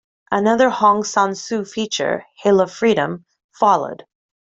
Another Hong Sang-soo feature, "Hill of Freedom", followed.